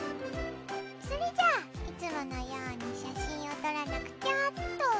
それじゃあいつものように写真を撮らなくちゃっと。